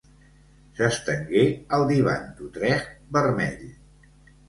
S'estengué al divan d'utrecht vermell.